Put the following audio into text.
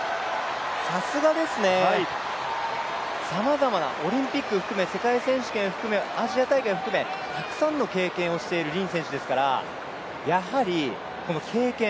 さすがですね、さまざまなオリンピック含め世界選手権含めアジア大会含めたくさんの経験をしている林選手ですからやはり、経験。